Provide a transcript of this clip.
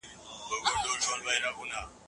علمي تحقیق په اسانۍ سره نه منظوریږي.